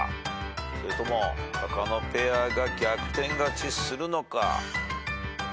それとも他のペアが逆転勝ちするのか？